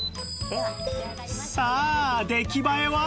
さあ出来栄えは？